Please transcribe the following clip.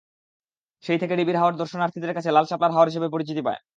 সেই থেকে ডিবির হাওর দর্শনার্থীদের কাছে লাল শাপলার হাওর হিসেবে পরিচিতি পায়।